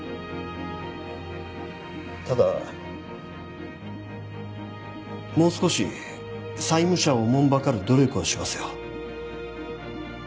ただもう少し債務者をおもんばかる努力はしますよ。